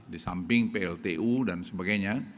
di samping pltu dan sebagainya